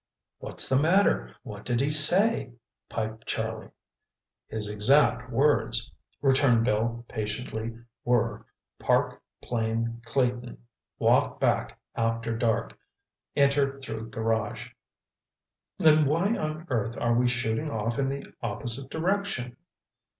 "What's the matter? What did he say?" piped Charlie. "His exact words," returned Bill patiently, "were 'Park plane Clayton. Walk back after dark. Enter through garage.'" "Then why on earth are we shooting off in the opposite direction?"